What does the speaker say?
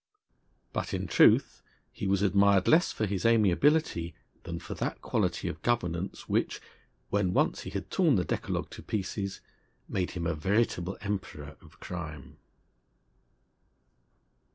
But in truth he was admired less for his amiability than for that quality of governance which, when once he had torn the decalogue to pieces, made him a veritable emperor of crime.